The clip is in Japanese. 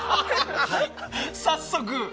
早速。